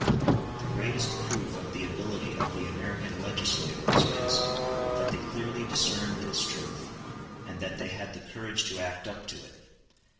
The greatest proof of the ability of the American legislators is, that they clearly discerned this truth, and that they had the courage to act up to it.